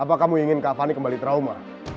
apa kamu ingin kak fani kembali trauma